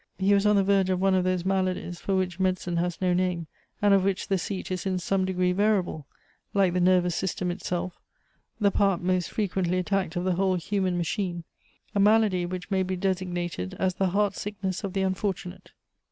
He was on the verge of one of those maladies for which medicine has no name, and of which the seat is in some degree variable, like the nervous system itself, the part most frequently attacked of the whole human machine, a malady which may be designated as the heart sickness of the unfortunate.